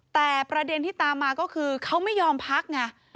แต่ประเด็นที่ตามมาก็คือเขาไม่ยอมพักไง